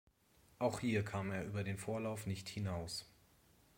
Auch hier kam er über den Vorlauf nicht hinaus.